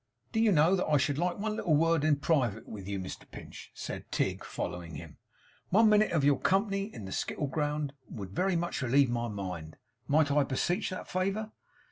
'Do you know that I should like one little word in private with you Mr Pinch?' said Tigg, following him. 'One minute of your company in the skittle ground would very much relieve my mind. Might I beseech that favour?